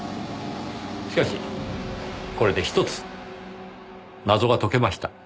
しかしこれでひとつ謎が解けました。